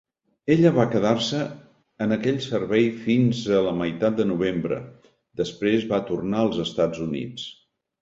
Ella va quedar-se en aquell servei fins a la meitat de Novembre; després va tornar als Estats Units.